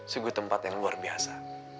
sungguh tempat yang luar biasa